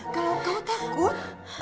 kalau kau takut